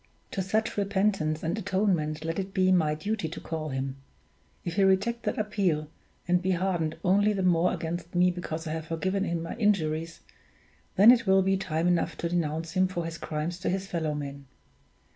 To such repentance and atonement let it be my duty to call him; if he reject that appeal, and be hardened only the more against me because I have forgiven him my injuries, then it will be time enough to denounce him for his crimes to his fellow men.